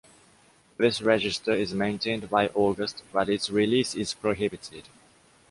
This register is maintained by Auguste, but its release is prohibited.